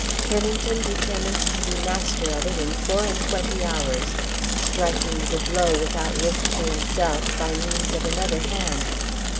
Turlington determined to be master of it in four and twenty hours striking the blow, without risk to himself, by means of another hand.